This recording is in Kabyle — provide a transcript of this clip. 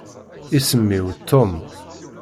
Isem-iw Tom.